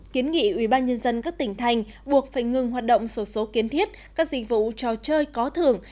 kiến nghị ubnd các tỉnh thành buộc phải ngừng hoạt động sổ số kiến thiết các dịch vụ trò chơi có thưởng